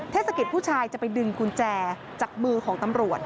เทศกิจผู้ชายจะไปดึงกุญแจจากมือของตำรวจ